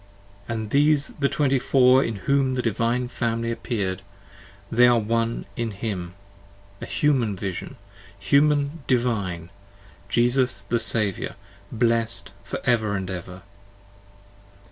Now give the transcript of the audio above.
45 And these the Twenty four in whom the Divine Family Appear'd; and they were One in Him. A Human Vision! Human Divine, Jesus the Saviour, blessed for ever and ever.